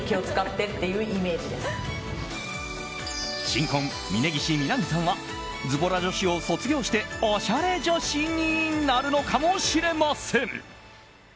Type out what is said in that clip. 新婚、峯岸みなみさんはズボラ女子を卒業しておしゃれ女子になるのかもしれません。